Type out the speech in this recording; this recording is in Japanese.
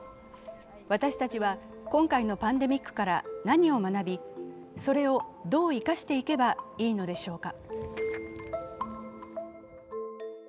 私たちは今回のパンデミックから何を学びそれをどう生かしていけばいいのでしょうか。